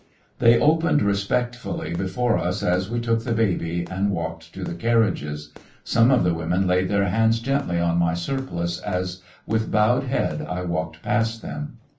They opened respectfully before us as we took the baby and walked to the carriages. Some of the women laid their hands gently on my surplice as with bowed head I walked past them.